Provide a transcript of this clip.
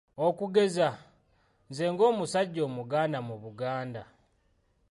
Okugeza, nze ng'omusajja Omuganda mu Buganda.